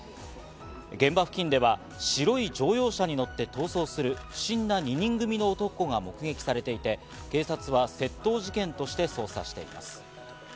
現場付近では白い乗用車に乗って逃走する不審な２人組の男が目撃されていて、警察は窃盗事件として捜査しています。